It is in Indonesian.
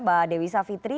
mbak dewi savitri